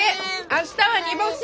明日は煮干し！